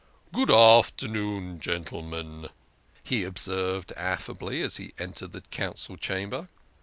113 " Good afternoon, gentlemen," he observed affably as he entered the Council Chamber.